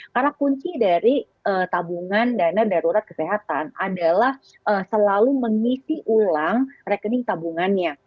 karena kunci dari tabungan dana darurat kesehatan adalah selalu mengisi ulang rekening tabungannya